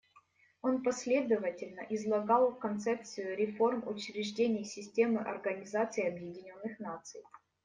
Он последовательно излагал концепцию реформ учреждений системы Организации Объединенных Наций.